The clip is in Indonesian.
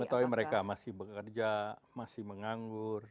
mengetahui mereka masih bekerja masih menganggur